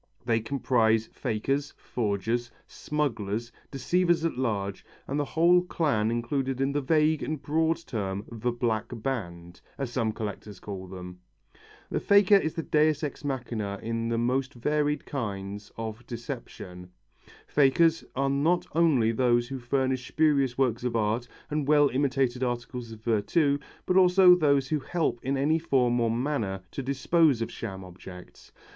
They comprise fakers, forgers, smugglers, deceivers at large, and the whole clan included in the vague and broad term "the black band," as some collectors call them. The faker is the Deus ex machina in the most varied kinds of deception. Fakers are not only those who furnish spurious works of art and well imitated articles of virtu, but also those who help in any form or manner to dispose of sham objects.